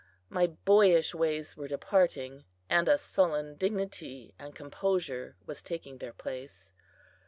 My boyish ways were departing, and a sullen dignity and composure was taking their place.